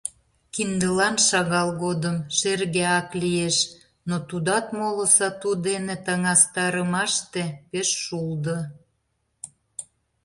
Киндылан шагал годым шерге ак лиеш, но тудат, моло сату дене таҥастарымаште, пеш шулдо.